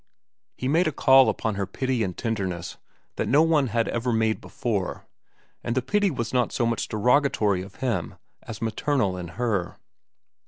He made a call upon her pity and tenderness that no one had ever made before, and the pity was not so much derogatory of him as maternal in her.